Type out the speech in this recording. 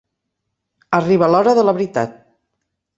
Arriba l'hora de la veritat.